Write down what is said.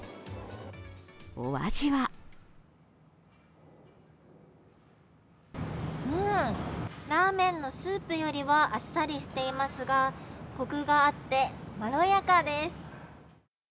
お味はラーメンのスープよりはあっさりしていますが、こくがあって、まろやかです。